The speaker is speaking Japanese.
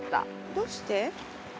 どうして？